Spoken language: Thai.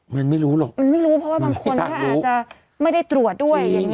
มันไม่รู้หรอกมันไม่รู้เพราะว่าบางคนก็อาจจะไม่ได้ตรวจด้วยอย่างนี้